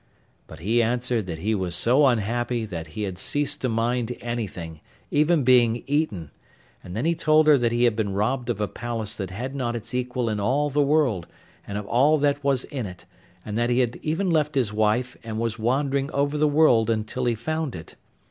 But he answered that he was so unhappy that he had ceased to mind anything, even being eaten, and then he told her that he had been robbed of a palace that had not its equal in all the world, and of all that was in it, and that he had even left his wife, and was wandering over the world until he found it.